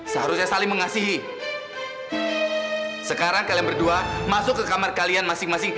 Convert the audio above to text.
seharusnya saling mengasihi